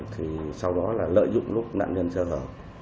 thì sau đó là lợi dụng lúc nạn nhân sở hữu